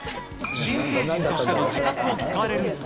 新成人としての自覚を聞かれると。